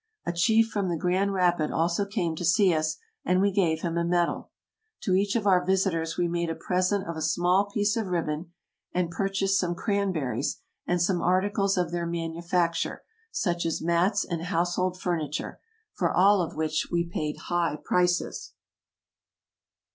A chief from the grand rapid also came to see us, and we gave him a medal. To each of our visit ors we made a present of a small piece of ribbon, and purchased some cranberries, and some articles of their man ufacture, such as mats and household furniture, for all of which we paid high prices.